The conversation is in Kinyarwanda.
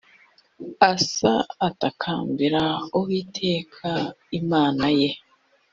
asa atakambira uwiteka imana ye